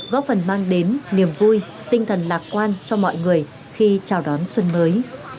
góp phần mang đến niềm vui tinh thần lạc quan cho mọi người khi chào đón xuân mới